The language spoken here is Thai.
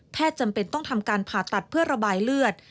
จำเป็นต้องทำการผ่าตัดเพื่อระบายเลือด